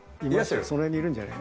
その辺にいるんじゃない？